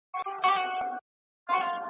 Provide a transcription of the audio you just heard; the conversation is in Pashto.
د پردي زوی څخه خپله لور ښه ده